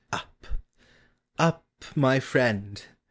Ur! up, my friend!